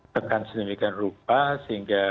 tekan sedemikian rupa sehingga